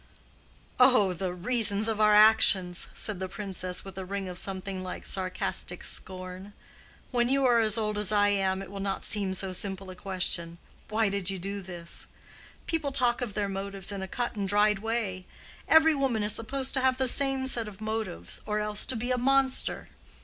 "Oh—the reasons of our actions!" said the Princess, with a ring of something like sarcastic scorn. "When you are as old as I am, it will not seem so simple a question—'Why did you do this?' People talk of their motives in a cut and dried way. Every woman is supposed to have the same set of motives, or else to be a monster.